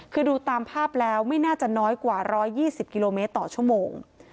คือดูตามภาพแล้วไม่น่าจะน้อยกว่า๑๒๐กิโลเมตรต่อชั่วโมง